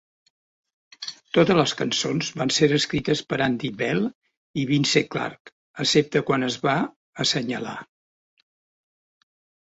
Totes les cançons van ser escrites per Andy bell i Vince Clarke, excepte quan es va assenyalar.